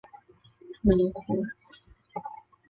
维雷库尔。